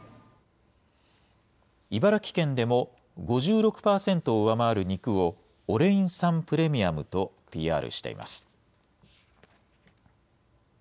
茨城県でも、５６％を上回る肉をオレイン酸プレミアムとＰＲしています。